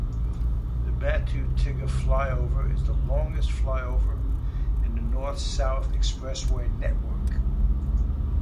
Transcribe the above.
The Batu Tiga flyover is the longest flyover in the North-South Expressway network.